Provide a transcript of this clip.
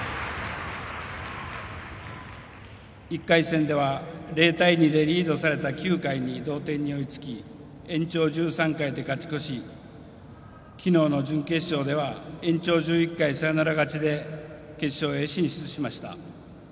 １回戦では０対２でリードされた９回に同点に追いつき延長１３回で勝ち越しきのうの準決勝では延長１１回サヨナラ勝ちで決勝へ進出しました。